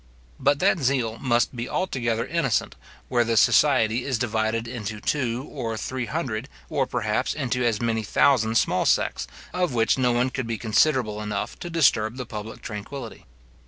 But that zeal must be altogether innocent, where the society is divided into two or three hundred, or, perhaps, into as many thousand small sects, of which no one could be considerable enough to disturb the public tranquillity.